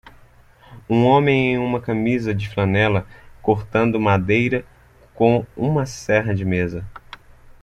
Um homem em uma camisa de flanela cortando madeira com uma serra de mesa.